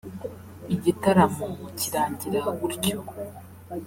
igitaramo kirangira gutyo